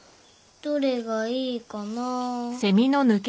どれがいいかなあ。